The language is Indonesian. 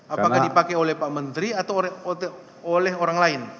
apakah dipakai oleh pak menteri atau oleh orang lain